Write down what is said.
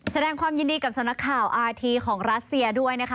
แสดงความยินดีกับสำนักข่าวอาทีของรัสเซียด้วยนะคะ